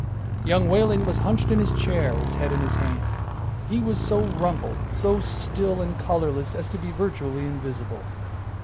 Young Wehling was hunched in his chair, his head in his hand. He was so rumpled, so still and colorless as to be virtually invisible.